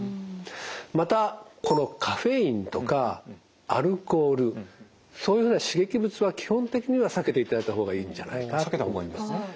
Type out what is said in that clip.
またこのカフェインとかアルコールそういうふうな刺激物は基本的には避けていただいた方がいいんじゃないかと思います。